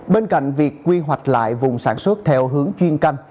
bên cạnh việc quy hoạch lại vùng sản xuất theo hướng chuyên canh